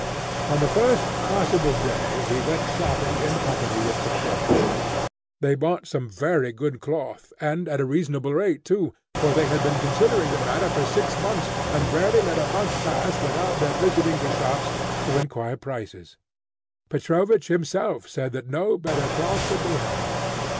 On the first possible day, he went shopping in company with Petrovich. They bought some very good cloth, and at a reasonable rate too, for they had been considering the matter for six months, and rarely let a month pass without their visiting the shops to enquire prices. Petrovich himself said that no better cloth could be had.